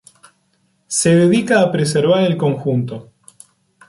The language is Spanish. Se dedica a preservar el conjunto.